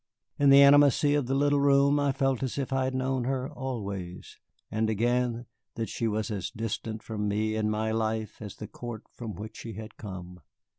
In the intimacy of the little room I felt as if I had known her always, and again, that she was as distant from me and my life as the court from which she had come.